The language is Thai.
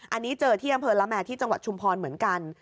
อันนี้เจอที่อำเภอละแมที่จังหวัดชุมพรเหมือนกัน